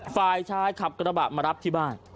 ฝ่ายชายขับกระบะมารับที่บ้าน